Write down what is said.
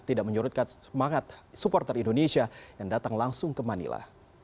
tidak menyurutkan semangat supporter indonesia yang datang langsung ke manila